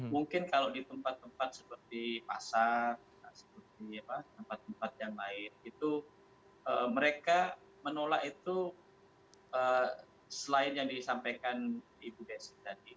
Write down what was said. mungkin kalau di tempat tempat seperti pasar tempat tempat yang lain itu mereka menolak itu selain yang disampaikan ibu desi tadi